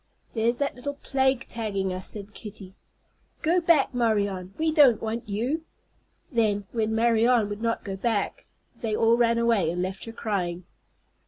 "There's that little plague tagging us," said Kitty. "Go back, Marianne; we don't want you." Then, when Marianne would not go back, they all ran away, and left her crying.